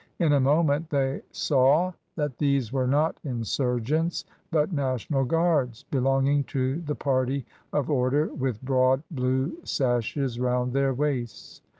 In a moment they saw that these were not insurgents, but National Guards be longing to the party of order, with broad blue sashes round their waists.